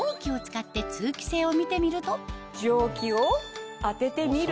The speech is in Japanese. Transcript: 蒸気を当ててみると。